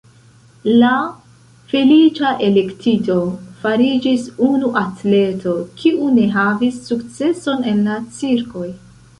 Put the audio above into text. La « feliĉa elektito » fariĝis unu atleto, kiu ne havis sukceson en la cirkoj.